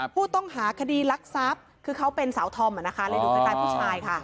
ผู้ต้องหาคดีลักษัพคือเขาเป็นสาวธอมคล้ายผู้ชายค่ะ